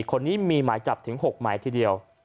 คนนี้มีหมายจับถึง๖หมายทีเดียว